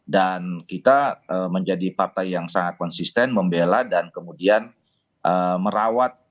dan kita menjadi partai yang sangat konsisten membela dan kemudian merawat